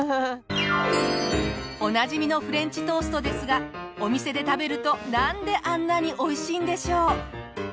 おなじみのフレンチトーストですがお店で食べるとなんであんなにおいしいんでしょう？